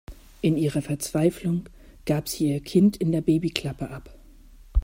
In ihrer Verzweiflung gab sie ihr Kind in der Babyklappe ab.